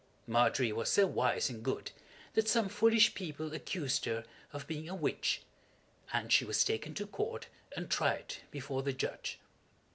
Margery was so wise and good that some foolish people accused her of being a witch, and she was taken to court and tried before the judge.